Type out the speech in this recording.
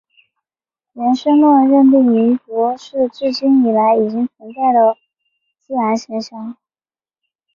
原生论认定民族是至古以来已经存在的自然现象。